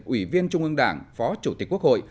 ủy viên trung ương đảng phó chủ tịch quốc hội